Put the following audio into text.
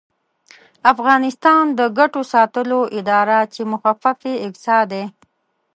افغانستان د ګټو ساتلو اداره چې مخفف یې اګسا دی